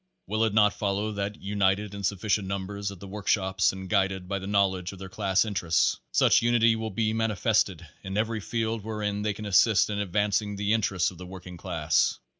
Will it not follow that, united in sufficient numbers at the workshops and guided by the knowledge of their class interests, such unity will be manifested in every field wherein they can assist in advancing the interest of the working class